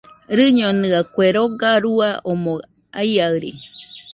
Rɨñonɨaɨ, kue roga rua omoɨ aiaɨri.